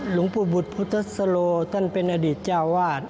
หลวงปู่บุตรพุทธสโลท่านเป็นอดีตเจ้าวาด